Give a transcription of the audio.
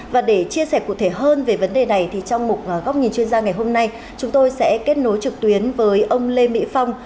và để chia sẻ cụ thể hơn về vấn đề này thì trong một góc nhìn chuyên gia ngày hôm nay chúng tôi sẽ kết nối trực tuyến với ông lê mỹ phong